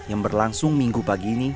yang berlangsung minggu pagi ini